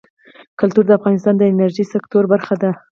کلتور د افغانستان د انرژۍ سکتور برخه ده.